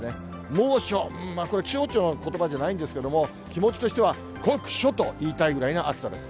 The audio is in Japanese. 猛暑、これは気象庁のことばじゃないんですけれども、気持ちとしては酷暑と言いたいぐらいの暑さです。